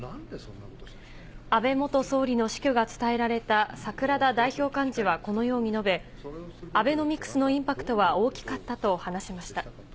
安倍元総理の死去が伝えられた櫻田代表幹事はこのように述べ、アベノミクスのインパクトは大きかったと話しました。